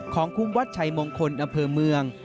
ของคุมวัดชัยมงคลอำเภอเมือง